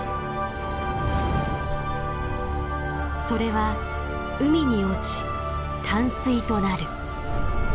それは海に落ち淡水となる。